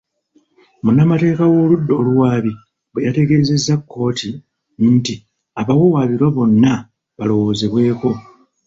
Munnamateeka w'oludda oluwaabi bwe yategezezza kkooti nti abawawaabirwa bonna balowoozebweko.